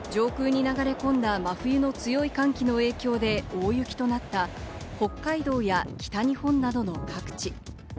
上空に流れ込んだ真冬の強い寒気の影響で大雪となった北海道や北日本などの各地。